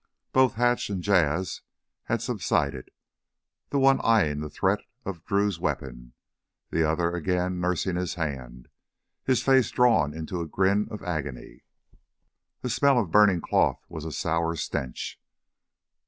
Both Hatch and Jas' had subsided, the one eyeing the threat of Drew's weapon, the other again nursing his hand, his face drawn into a grin of agony. The smell of burning cloth was a sour stench.